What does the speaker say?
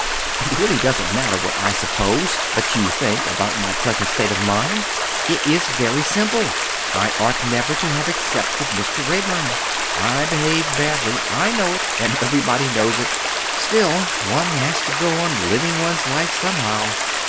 It really doesn't matter what I suppose that you think about my present state of mind. It is very simple. I ought never to have accepted Mr. Raeburn. I behaved badly. I know it and everybody knows it. Still one has to go on living one's life somehow.